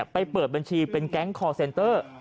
เปิดบัญชีเป็นแก๊งคอร์เซนเตอร์